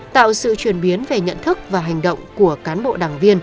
tạo sự chuyển biến về nhận thức và hành động của cán bộ đảng viên